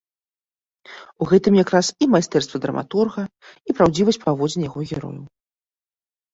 У гэтым якраз і майстэрства драматурга, і праўдзівасць паводзін яго герояў.